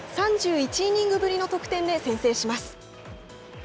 ３１イニングぶりの得点で先制します。